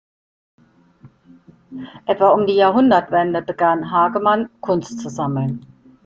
Etwa um die Jahrhundertwende begann Hagemann, Kunst zu sammeln.